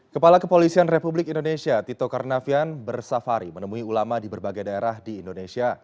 kepala kepolisian republik indonesia tito karnavian bersafari menemui ulama di berbagai daerah di indonesia